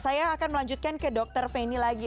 saya akan melanjutkan ke dr feni lagi